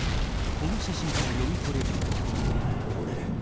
この写真から読み取れるのは。